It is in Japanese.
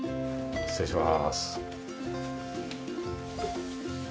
失礼します。